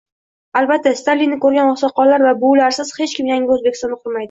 Albatta, Stalinni ko'rgan oqsoqollar va buvilarsiz hech kim yangi O'zbekistonni qurmaydi